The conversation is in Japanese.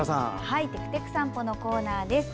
「てくてく散歩」のコーナーです。